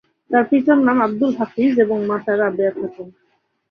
তার পিতার নাম আব্দুল হাফিজ এবং মাতা রাবেয়া খাতুন।